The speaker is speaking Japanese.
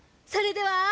それでは。